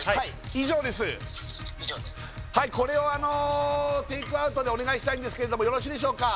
☎以上これをあのテイクアウトでお願いしたいんですけれどもよろしいでしょうか？